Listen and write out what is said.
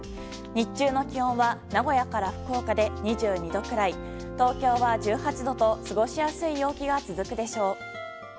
日中の気温は名古屋から福岡で２２度くらい東京は１８度と過ごしやすい陽気が続くでしょう。